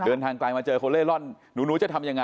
เดินทางไกลมาเจอคนเล่ร่อนหนูจะทำยังไง